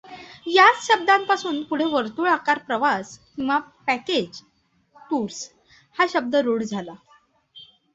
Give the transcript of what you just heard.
याच शब्दापासून पुढे वर्तुळाकार प्रवास किंवा पॅकेज टूर्स हा शब्द रुढ झाला.